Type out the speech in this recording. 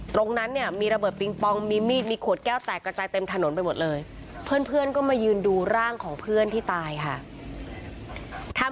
ตรงนั้นเนี่ยมีระเบิดปิงปองมีมีดมีขวดแก้วแตกกระจายเต็มถนนไปหมดเลยเพื่อนก็มายืนดูร่างของเพื่อนที่ตายค่ะ